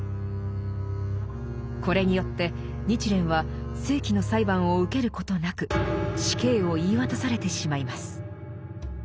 これによって日蓮は正規の裁判を受けることなく死刑を言い渡されてしまいます。